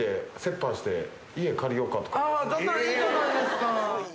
だったらいいじゃないですか。